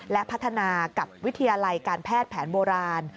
และพัฒนากับวิทยาลัยการแพทย์แผนโบราณ